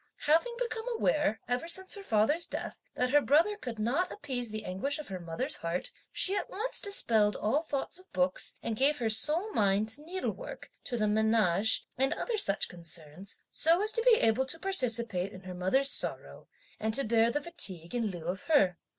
Having become aware, ever since her father's death, that her brother could not appease the anguish of her mother's heart, she at once dispelled all thoughts of books, and gave her sole mind to needlework, to the menage and other such concerns, so as to be able to participate in her mother's sorrow, and to bear the fatigue in lieu of her.